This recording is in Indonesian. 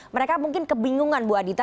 mereka mungkin kebingungan bu adita